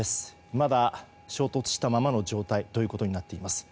まだ衝突したままの状態となっています。